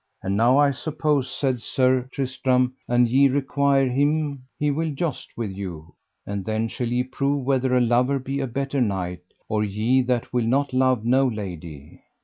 And now I suppose, said Sir Tristram, an ye require him he will joust with you, and then shall ye prove whether a lover be a better knight, or ye that will not love no lady.